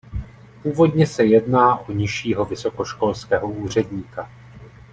Původně se jedná o nižšího vysokoškolského úředníka.